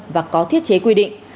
và có thiết chế quy định